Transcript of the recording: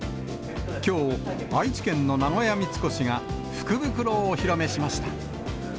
きょう、愛知県の名古屋三越が、福袋をお披露目しました。